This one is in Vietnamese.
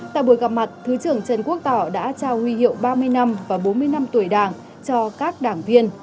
tại buổi gặp mặt thứ trưởng trần quốc tỏ đã trao huy hiệu ba mươi năm và bốn mươi năm tuổi đảng cho các đảng viên